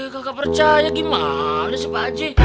kakak percaya gimana sih pak haji